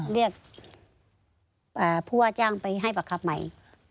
เรียกผู้อาจารย์ไปให้ปรากฏใหม่